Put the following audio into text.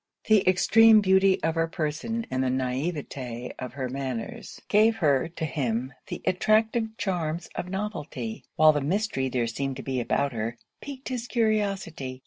The extreme beauty of her person, and the naivetè of her manners, gave her, to him, the attractive charms of novelty; while the mystery there seemed to be about her, piqued his curiosity.